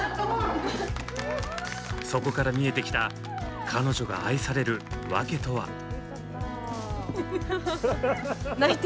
そこから見えてきた彼女が愛されるわけとは？